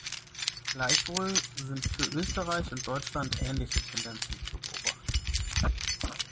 Gleichwohl sind für Österreich und Deutschland ähnliche Tendenzen zu beobachten.